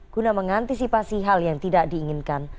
guna mengantisipasi hal yang tidak diinginkan